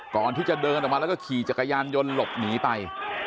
ก่อนที่จะเดินออกมาแล้วก็ขี่จักรยานยนต์หลบหนีไป